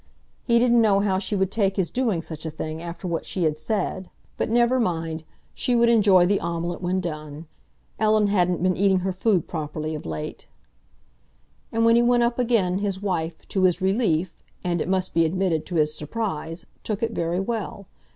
He didn't know how she would take his doing such a thing after what she had said; but never mind, she would enjoy the omelette when done. Ellen hadn't been eating her food properly of late. And when he went up again, his wife, to his relief, and, it must be admitted, to his surprise, took it very well.